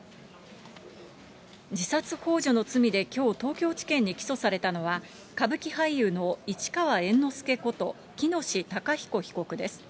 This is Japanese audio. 自殺ほう助の罪できょう東京地検に起訴されたのは、歌舞伎俳優の市川猿之助こと、喜熨斗孝彦被告です。